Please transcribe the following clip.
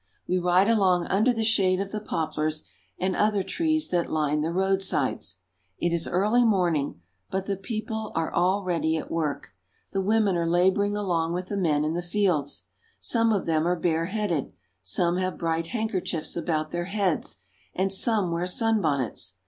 We ride along under the shade of the poplars and other trees that line the roadsides. It is early morning, but the people In the Fields. are already at work. The women are laboring along with the men in the fields. Some of them are bareheaded, some have bright handkerchiefs about their heads, and some wear sunbonnets.